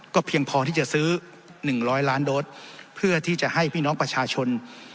เพียงพอที่จะซื้อ๑๐๐ล้านโดสเพื่อที่จะให้พี่น้องประชาชน